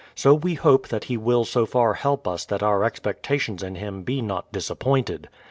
So we hope that he will so far help us that our expectations in him be not disappointed.